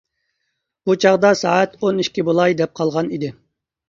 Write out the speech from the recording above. بۇ چاغدا سائەت ئون ئىككى بولاي دەپ قالغان ئىدى.